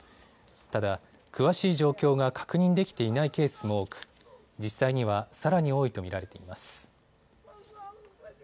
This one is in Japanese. ただ、詳しい状況が確認できていないケースも多く実際にはさらに多いと見られています。